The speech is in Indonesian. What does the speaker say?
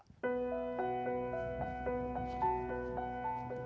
desa berati kecamatan kayen kabupaten pati jawa tengah